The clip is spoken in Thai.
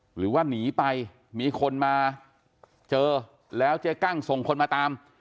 หรือว่าหนีไปมีคนมาเจอแล้วเจ๊กั้งส่งคนมาตาม